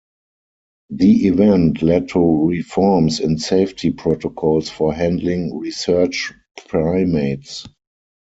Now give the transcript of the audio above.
The event led to reforms in safety protocols for handling research primates.